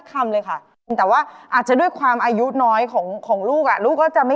ขอบพระเจ้าที่ขอดูช่วง